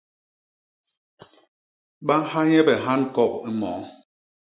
Ba nha nye bihañkop i moo.